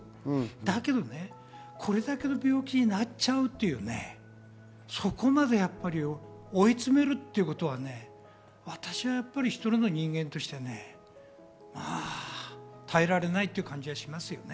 だけどこれだけの病気になっちゃうという、そこまで追い詰めるということは、私はやはり１人の人間として耐えられないという感じはしますね。